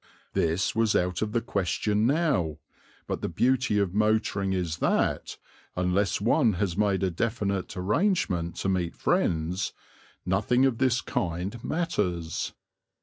This was out of the question now, but the beauty of motoring is that, unless one has made a definite arrangement to meet friends, nothing of this kind matters.